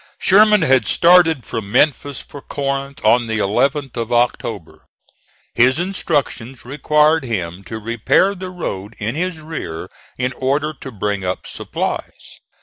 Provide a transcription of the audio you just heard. Sherman had started from Memphis for Corinth on the 11th of October. His instructions required him to repair the road in his rear in order to bring up supplies.